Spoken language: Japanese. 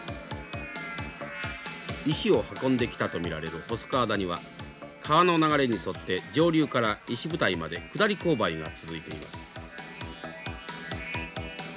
石を運んできたと見られる細川谷は川の流れに沿って上流から石舞台まで下り勾配が続いています。